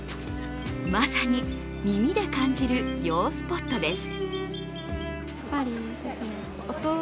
まさに耳で感じる涼スポットです。